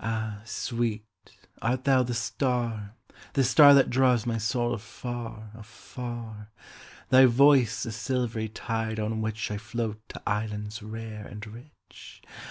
Ah, sweet, art thou the star, the starThat draws my soul afar, afar? Thy voice the silvery tide on whichI float to islands rare and rich?